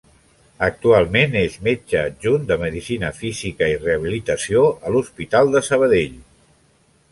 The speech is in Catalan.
Actualment és metge adjunt de Medicina Física i Rehabilitació a l'Hospital de Sabadell.